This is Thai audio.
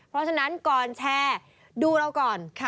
เพราะฉะนั้นก่อนแชร์ดูเราก่อน